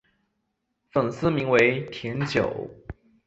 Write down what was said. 粉丝名为甜酒。